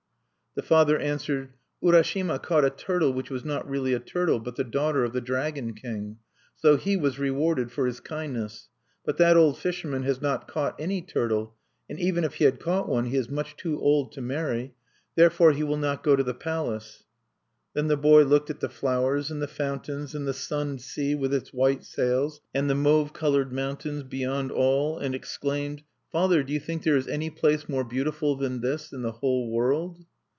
The father answered: "Urashima caught a turtle which was not really a turtle, but the Daughter of the Dragon King. So he was rewarded for his kindness. But that old fisherman has not caught any turtle, and even if he had caught one, he is much too old to marry. Therefore he will not go to the Palace." Then the boy looked at the flowers, and the fountains, and the sunned sea with its white sails, and the mauve colored mountains beyond all, and exclaimed: "Father, do you think there is any place more beautiful than this in the whole world?"